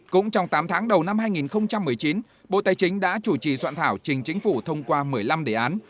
cũng trong tám tháng đầu năm hai nghìn một mươi chín bộ tài chính đã chủ trì soạn thảo trình chính phủ thông qua một mươi năm đề án